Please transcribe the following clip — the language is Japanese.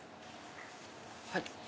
はい。